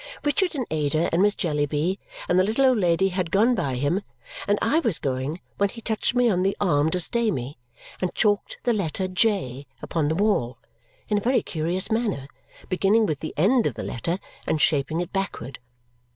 Richard and Ada, and Miss Jellyby, and the little old lady had gone by him, and I was going when he touched me on the arm to stay me, and chalked the letter J upon the wall in a very curious manner, beginning with the end of the letter and shaping it backward.